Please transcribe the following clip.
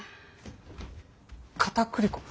かたくり粉？